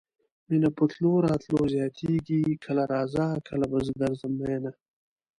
مينه په تلو راتلو زياتيږي کله راځه کله به زه درځم مينه